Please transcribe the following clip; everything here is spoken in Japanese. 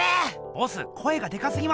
ボス声がデカすぎます。